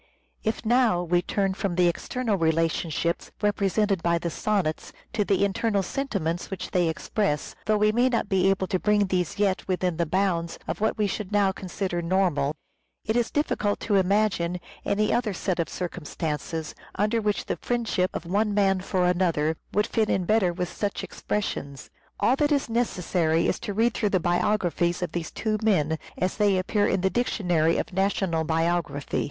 If, now, we turn from the external relationships represented by the sonnets to the internal sentiments which they express, though we may not be able to POETIC "SELF REVELATION 447 bring these yet within the bounds of what we should Sentiment now consider normal, it is difficult to imagine any sonnets. other set of circumstances under which the friendship of one man for another would fit in better with such expressions. All that is necessary is to read through the biographies of these two men, as they appear in the Dictionary of National Biography.